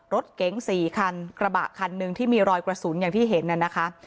รถเก๋ง๔คันกระบะคันหนึ่งที่มีรอยกระสุนอย่างที่เห็นน่ะนะคะ